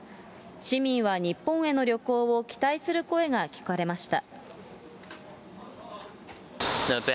市民は日本への旅行を期待する声が聞かれました。